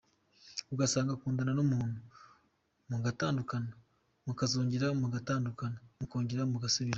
Ugasanga ukundana n’umuntu, mugatandukana, mukazongera mugatandukana mukongera mugasubirana.